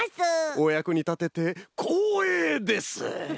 おやくにたててこうえいです！